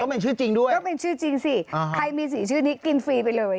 เป็นชื่อจริงด้วยก็เป็นชื่อจริงสิใครมีสีชื่อนี้กินฟรีไปเลย